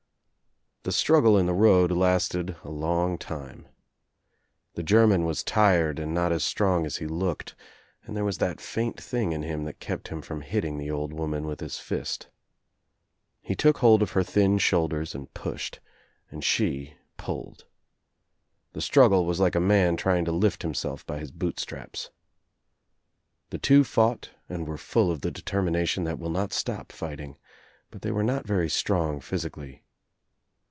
I The struggle in the road lasted a long time. The German was tired and not as strong as he looked, and there was that faint thing in him that kept htm from hitting the old woman with his fist. He took hold of her thin shoulders and pushed, and she pulled. The struggle was like a man trying to lift himself by his boot straps. The two fought and were full of the determination that will not stop fighting, but they were not very strong physically.